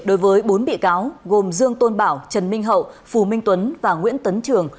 đối với bốn bị cáo gồm dương tôn bảo trần minh hậu phù minh tuấn và nguyễn tấn trường